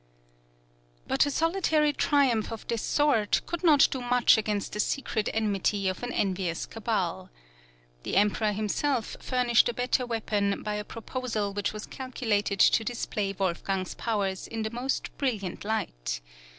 But a solitary triumph of this sort could not do much against the secret enmity of an envious cabal. The Emperor himself furnished a better weapon by a proposal which was calculated to display Wolfgang's powers in the most brilliant light.